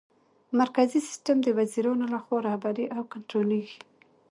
مرکزي سیسټم د وزیرانو لخوا رهبري او کنټرولیږي.